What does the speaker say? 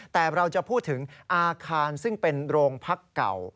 แต่เราจะพูดถึงอาคารซึ่งเป็นโรงพักเก่า